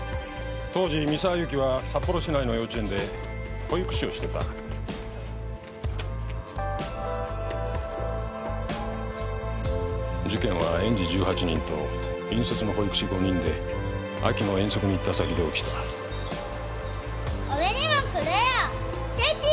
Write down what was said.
当時三沢友紀は札幌市内の幼稚園で保育士をしてた事件は園児１８人と引率の保育士５人で秋の遠足に行った先で起きた俺にもくれよケチ！